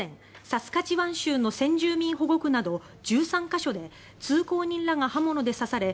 サスカチワン州の先住民保護区など１３か所で通行人らが刃物で刺され